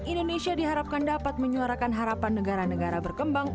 indonesia diharapkan dapat menyuarakan harapan negara negara berkembang